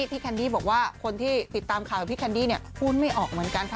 แคนดี้บอกว่าคนที่ติดตามข่าวกับพี่แคนดี้พูดไม่ออกเหมือนกัน